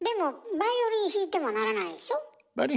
バイオリン弾いてならないです。